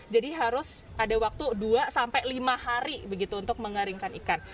jadi harus ada waktu dua sampai lima hari begitu untuk mengeringkan ikan